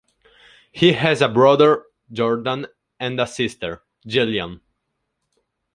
He has a brother, Jordan and a sister, Jillian.